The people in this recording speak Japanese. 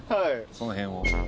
その辺を。